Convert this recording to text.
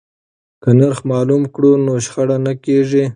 که نرخ معلوم کړو نو شخړه نه کیږي.